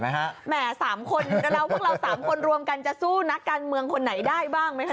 ๓คนกระเบิ้ลเรา๓คนรวมกันจะสู้หน้าการเมืองคนไหนได้บ้างไหมคะ